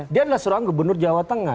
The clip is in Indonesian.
dia adalah seorang gubernur jawa tengah